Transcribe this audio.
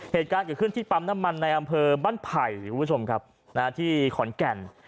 เหตุการณ์เกิดขึ้นที่ปั๊มน้ำมันในอำเภอบ้านไผ่ที่ขอนแก่น